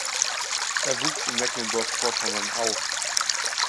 Er wuchs in Mecklenburg-Vorpommern auf.